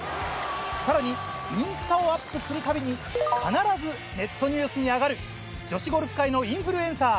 さらにインスタをアップするたびに必ずネットニュースに上がる女子ゴルフ界のインフルエンサー